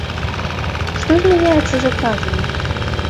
Што змяняецца за кратамі?